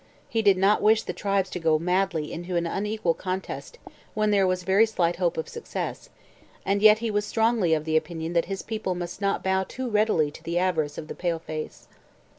He did not wish the tribes to go madly into an unequal contest when there was very slight hope of success, and yet he was strongly of the opinion that his people must not bow too readily to the avarice of the pale face.